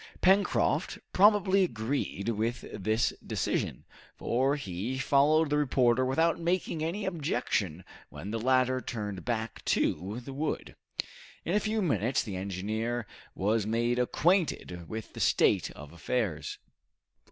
Pencroft probably agreed with this decision, for he followed the reporter without making any objection when the latter turned back to the wood. In a few minutes the engineer was made acquainted with the state of affairs.